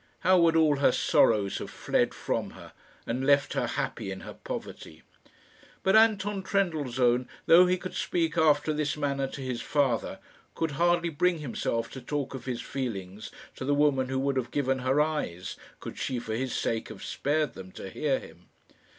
How would all her sorrows have fled from her, and left her happy in her poverty! But Anton Trendellsohn, though he could speak after this manner to his father, could hardly bring himself to talk of his feelings to the woman who would have given her eyes, could she for his sake have spared them, to hear him.